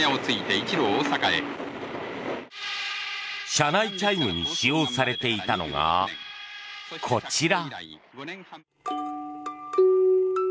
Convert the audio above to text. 車内チャイムに使用されていたのが、こちら。